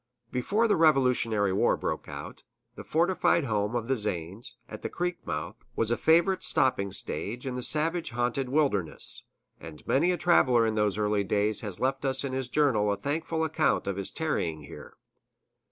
Before the Revolutionary War broke out, the fortified home of the Zanes, at the creek mouth, was a favorite stopping stage in the savage haunted wilderness; and many a traveler in those early days has left us in his journal a thankful account of his tarrying here.